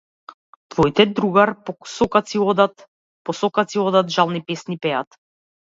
Твоите другар, по сокаци одат, по сокаци одат, жални песни пеат.